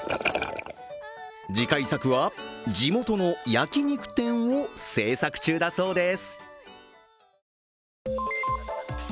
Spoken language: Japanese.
次回作は、地元の焼き肉店を制作中だそうです。